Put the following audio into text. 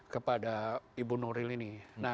kepada ibu nuril ini